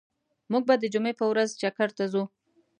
موږ به د جمعی په ورځ چکر ته ځو